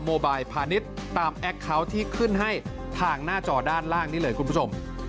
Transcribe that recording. โมบายพาณิชย์ตามแอคเคาน์ที่ขึ้นให้ทางหน้าจอด้านล่างนี้เลยคุณผู้ชม